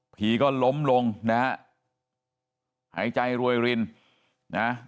ก็ล้มลงนะฮะหายใจรวยรินนะ